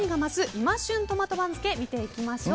今旬トマト番付を見ていきましょう。